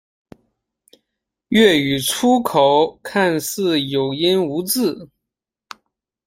粤语粗口看似有音无字。